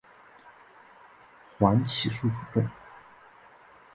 缓起诉处分。